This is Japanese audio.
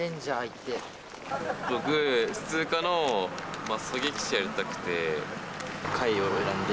僕、普通科の狙撃手、やりた海自を選んで、